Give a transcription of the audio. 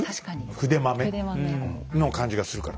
筆まめ。の感じがするから。